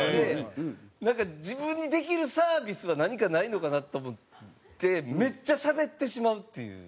なんか自分にできるサービスは何かないのかなと思ってめっちゃしゃべってしまうっていう。